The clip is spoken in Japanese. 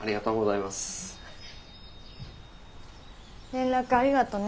連絡ありがとね。